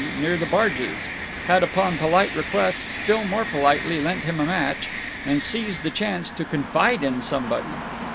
near the barges; had, upon polite request, still more politely lent him a match, and seized the chance to confide in somebody.